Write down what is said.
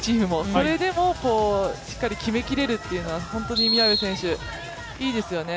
それでもしっかり決めきれるというのは本当に宮部選手、いいですよね。